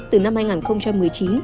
từ năm hai nghìn một mươi chín